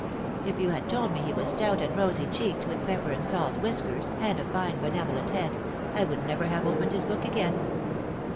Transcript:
If you had told me he was stout and rosy cheeked, with pepper and salt whiskers and a fine, benevolent head, I would never have opened his book again."